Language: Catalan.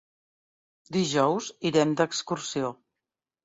Dijous irem d'excursió.